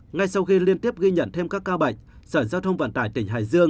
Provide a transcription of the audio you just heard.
ngay sau khi liên tiếp ghi nhận thêm các ca bệnh sở giao thông vận tải tỉnh hải dương